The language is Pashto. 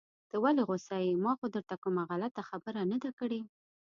ته ولې غوسه يې؟ ما خو درته کومه غلطه خبره نده کړي.